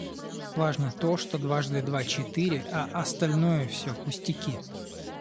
Важно то, что дважды два четыре, а остальное все пустяки.